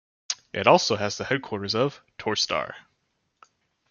It also has the headquarters of Torstar.